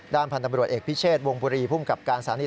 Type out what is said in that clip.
พันธุ์ตำรวจเอกพิเชษวงบุรีภูมิกับการสถานี